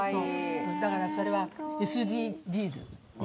だから、それはＳＤＧｓね。